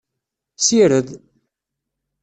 Sired!